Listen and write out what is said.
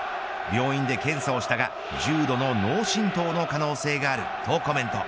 病院で検査をしたが重度の脳震とうの可能性があるとコメント。